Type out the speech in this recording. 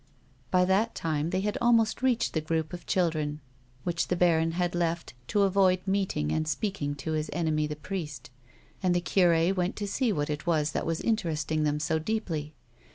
By that time they had almost reached the group of children (which the baron liad left, to avoid meeting and speaking 180 A WOMAN'S LIFE. to his enemy, the priest) and the cure went to see uhat it was that was interesting them so deeply.